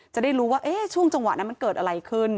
จะได้รู้ว่าช่วงจังหวะนั้นมันเกิดอะไรขึ้น